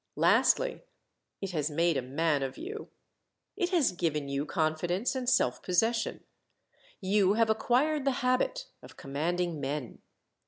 Lastly, it has made a man of you. It has given you confidence and self possession. You have acquired the habit of commanding men.